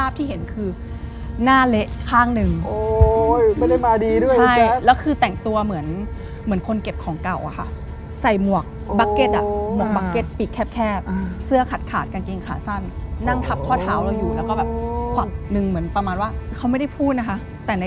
ผู้ชายใช่มั้ยใช่ค่ะแล้วคือสภาพที่เห็นคือ